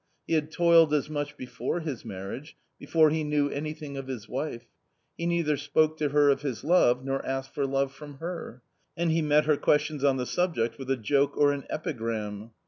He had toiled as much before his marriage, before he knew anything of his wife. He neither spoke to her of his love nor asked for love from her ; and he met her questions on the subject with a joke or an epigram.